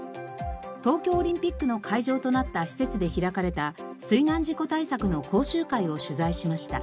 東京オリンピックの会場となった施設で開かれた水難事故対策の講習会を取材しました。